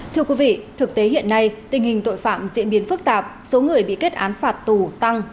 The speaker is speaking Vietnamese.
thưa quý vị thực tế hiện nay tình hình tội phạm diễn biến phức tạp số người bị kết án phạt tù tăng